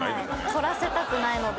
取らせたくないので。